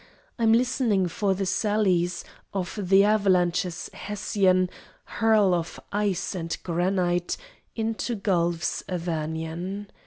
I'm listening for the sallies Of the avalanche's Hessian Hurl of ice and granite Into gulfs Avernian.